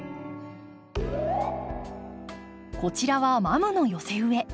こちらはマムの寄せ植え。